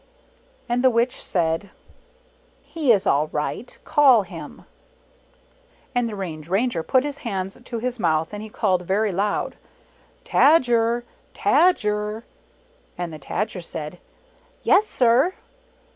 And the Witch said, "He is all right; call him." And the Range Ranger put his hands to his mouth, and he called very loud, "Tajer! Tajer!" And the Tajer said, "Yes, sir!"